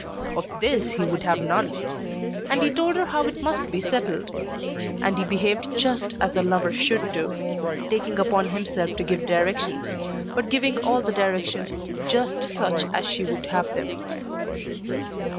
Of this he would have none. And he told her how it must be settled. And he behaved just as a lover should do, taking upon himself to give directions, but giving all the directions just such as she would have them.